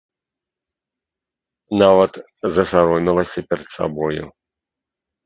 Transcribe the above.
Нават засаромелася перад сабою.